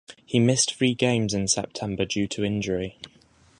He missed three games in September due to injury.